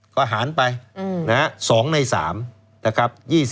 ๒๐ก็หารไป๒ใน๓